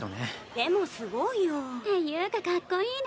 でもすごいよ。っていうかかっこいいね。